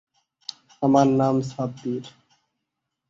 বিনোদনের জন্য লন্ডন শহরে বহু বিশালাকার উদ্যান ও খেলার মাঠ আছে।